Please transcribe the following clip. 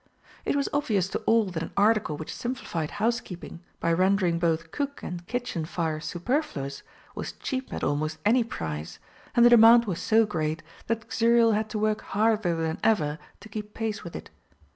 It was obvious to all that an article which simplified housekeeping by rendering both cook and kitchen fire superfluous was cheap at almost any price, and the demand was so great that Xuriel had to work harder than ever to keep pace with it.